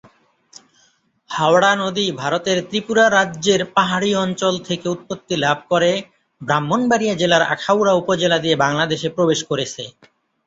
হাওড়া নদী ভারতের ত্রিপুরা রাজ্যের পাহাড়ি অঞ্চল থেকে উৎপত্তি লাভ করে ব্রাহ্মণবাড়িয়া জেলার আখাউড়া উপজেলা দিয়ে বাংলাদেশে প্রবেশ করেছে।